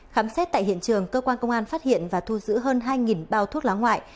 khám xét tại hiện trường cơ quan công an phát hiện và thu giữ hơn hai bao thuốc lá ngoại